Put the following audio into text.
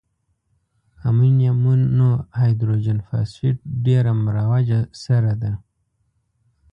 امونیم مونو هایدروجن فاسفیټ ډیره مروجه سره ده.